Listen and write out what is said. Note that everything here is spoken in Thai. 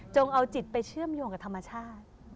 เอาจิตไปเชื่อมโยงกับธรรมชาติ